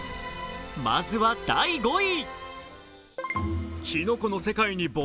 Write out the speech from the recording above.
まずは第５位。